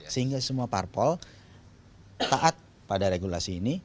sehingga semua parpol taat pada regulasi ini